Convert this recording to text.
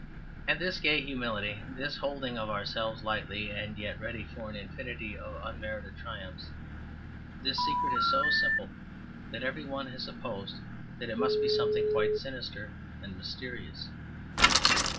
And this gay humility, this holding of ourselves lightly and yet ready for an infinity of unmerited triumphs, this secret is so simple that every one has supposed that it must be something quite sinister and mysterious.